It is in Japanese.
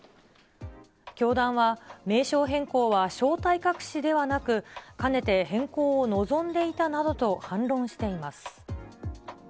教団は名称変更は正体隠しではなく、かねて変更を望んでいたなどと反論しています。